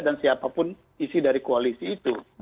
dan siapapun isi dari koalisi itu